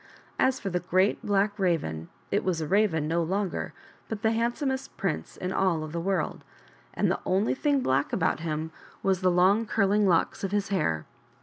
As for the Great Black Raven, it was a Raven no longer, but the handsomest prince in all of the world, and the only thing black about him was the long curling locks of his hair.